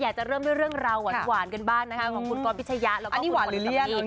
อาจจะเริ่มด้วยเรื่องราวหวานกันบ้างนะคะของคุณก๊อฟพิชยะแล้วก็นี่หวานหรือลิ้น